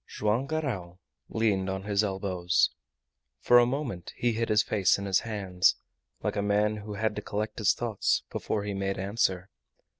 Joam Garral leaned on his elbows. For a moment he hid his face in his hands, like a man who had to collect his thoughts before he made answer.